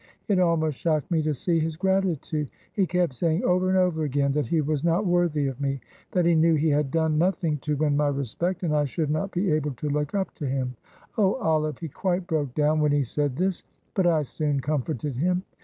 It almost shocked me to see his gratitude. He kept saying over and over again that he was not worthy of me; that he knew he had done nothing to win my respect, and I should not be able to look up to him. Oh, Olive, he quite broke down when he said this, but I soon comforted him.